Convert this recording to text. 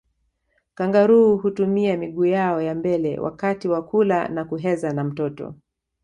Kangaroo hutumia miguu yao ya mbele wakati wa kula na kuheza na mtoto